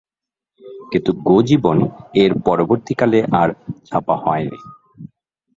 কিন্তু গো-জীবন এর পরবর্তীকালে আর ছাপা হয়নি।